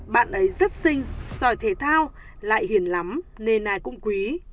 bạn ấy rất xinh giỏi thể thao lại hiền lắm nền này cũng quý